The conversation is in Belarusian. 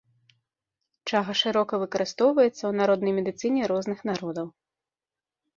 Чага шырока выкарыстоўваецца ў народнай медыцыне розных народаў.